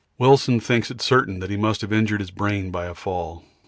Wilson thinks it certain he must have injured his brain by a fall.